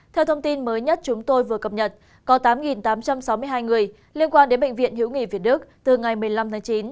theo thông tin mới nhất chúng tôi vừa cập nhật có tám tám trăm sáu mươi hai người liên quan đến bệnh viện hữu nghị việt đức từ ngày một mươi năm tháng chín